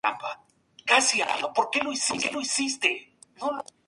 Ha realizado numerosas piezas utilizando este material.